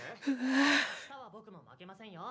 ・あしたは僕も負けませんよ。